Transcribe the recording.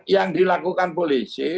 yang dilakukan polisi